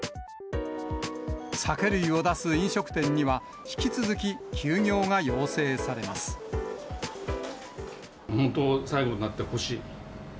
酒類を出す飲食店には、本当、最後になってほしい。